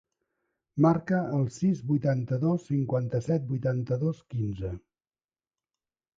Marca el sis, vuitanta-dos, cinquanta-set, vuitanta-dos, quinze.